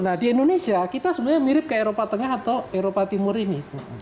nah di indonesia kita sebenarnya mirip ke eropa tengah atau eropa timur ini